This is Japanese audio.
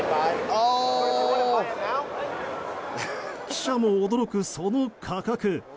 記者も驚くその価格。